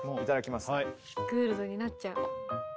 グールドになっちゃう。